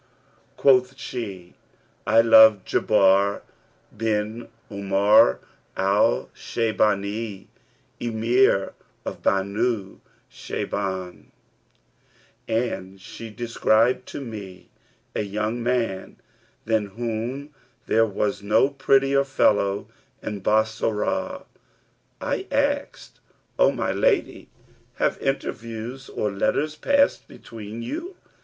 Quoth she, 'I love Jubayr bin Umayr al Shaybбni, Emir of the Banъ Shaybбn;[FN#333]' and she described to me a young man than whom there was no prettier fellow in Bassorah. I asked, 'O my lady, have interviews or letters passed between you?'